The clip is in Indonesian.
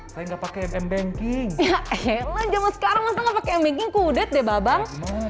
saya gak pake m banking yaelah jaman sekarang gak pake m banking kudet deh babang